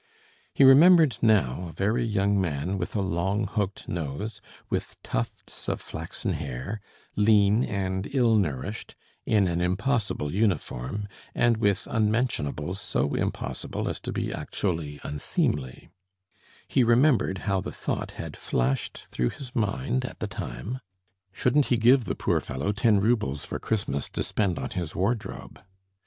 He remembered now a very young man with a long hooked nose, with tufts of flaxen hair, lean and ill nourished, in an impossible uniform, and with unmentionables so impossible as to be actually unseemly; he remembered how the thought had flashed through his mind at the time: shouldn't he give the poor fellow ten roubles for Christmas, to spend on his wardrobe?